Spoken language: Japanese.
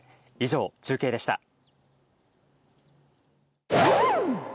以上、中継でした。